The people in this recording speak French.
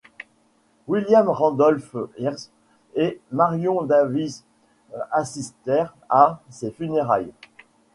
William Randolph Hearst et Marion Davies assistèrent à ses funérailles.